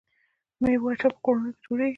د میوو اچار په کورونو کې جوړیږي.